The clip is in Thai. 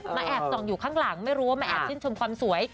แอบส่องอยู่ข้างหลังไม่รู้ว่ามาแอบชื่นชมความสวย